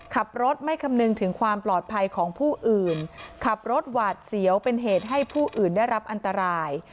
ขับรถไม่คำนึงถึงความปลอดภัยของผู้อื่นขับรถหวาดเสียวเป็นเหตุให้ผู้อื่นได้รับอันตราย